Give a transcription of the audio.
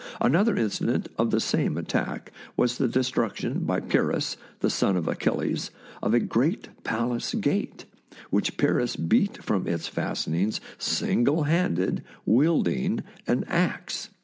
Another incident of the same attack was the destruction, by Pyrrhus, the son of Achilles, of a great palace gate, which Pyrrhus beat from its fastenings, single handed, wielding an axe.